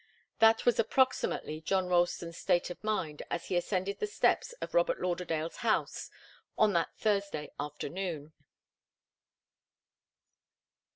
That was approximately John Ralston's state of mind as he ascended the steps of Robert Lauderdale's house on that Thursday afternoon.